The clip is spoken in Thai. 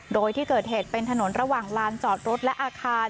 โดยที่เกิดเหตุเป็นถนนระหว่างลานจอดรถและอาคาร